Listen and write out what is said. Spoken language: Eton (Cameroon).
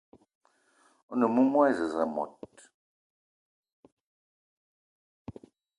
One moumoua e zez mot